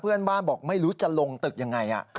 เพื่อนบ้านบอกไม่รู้จะลงตึกอย่างไร